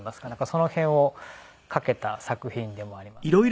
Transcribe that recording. その辺を掛けた作品でもありますね。